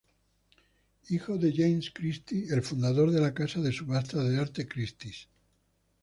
Hijo de James Christie, el fundador de la casa de subastas de arte Christie's.